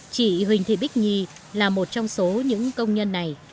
chị huỳnh thị bích nhi là một trong số những công nhân này